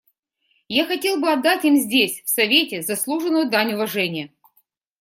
Я хотел бы отдать им здесь, в Совете, заслуженную дань уважения.